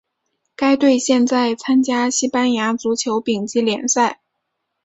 该队现在参加西班牙足球丙级联赛。